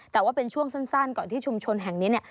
แต่ว่าเป็นช่วงสั้นก่อนที่ชุมชนแห่งนี้เนี่ย